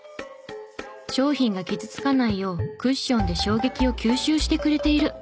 商品が傷つかないようクッションで衝撃を吸収してくれている！